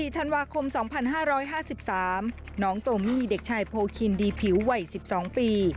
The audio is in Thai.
ธันวาคม๒๕๕๓น้องโตมี่เด็กชายโพคินดีผิววัย๑๒ปี